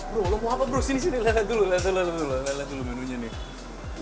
bro lo mau apa bro sini sini lihat dulu lihat dulu lihat dulu lihat dulu menunya nih